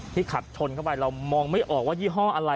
ขับชนเข้าไปเรามองไม่ออกว่ายี่ห้ออะไร